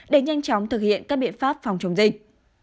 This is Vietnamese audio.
để nhanh chóng thực hiện các biện pháp phòng chống dịch